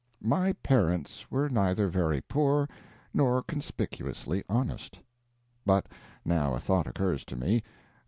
My parents were neither very poor nor conspicuously honest. But now a thought occurs to me.